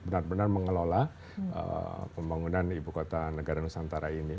benar benar mengelola pembangunan ibu kota negara nusantara ini